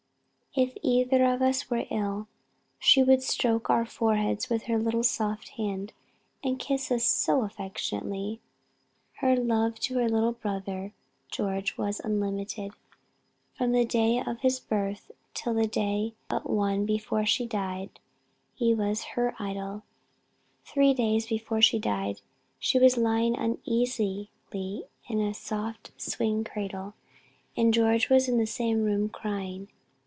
If either of us were ill, she would stroke our foreheads with her little soft hand, and kiss us so affectionately! Her love to her little brother George was unlimited. From the day of his birth till the day but one before she died, he was her idol.... Three days before she died, she was lying uneasily in a large swing cradle, and George was in the same room crying.